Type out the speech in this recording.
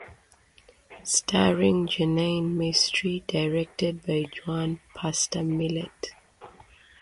Starring Jeannine Mestre, directed by Juan Pastor Millet.